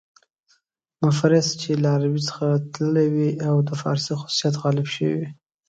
مفرس چې له عربي څخه تللي وي او د فارسي خصوصیات غالب شوي دي.